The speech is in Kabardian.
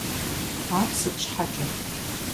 Ар сыт щхьэкӀэ?